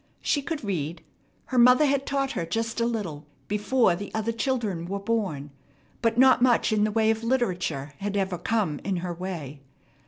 She could read. Her mother had taught her just a little before the other children were born, but not much in the way of literature had ever come in her way.